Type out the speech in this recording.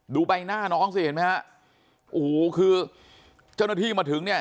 ดูใบหน้าน้องสิเห็นไหมฮะโอ้โหคือเจ้าหน้าที่มาถึงเนี่ย